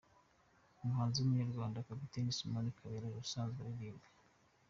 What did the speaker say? Umuhanzi w’umunyarwanda, Captain Simoni Kabera usanzwe aririmba.